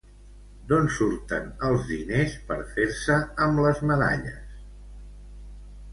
D'on surten els diners per fer-se amb les medalles?